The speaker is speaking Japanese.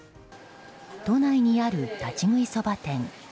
都内にある立ち食いそば店。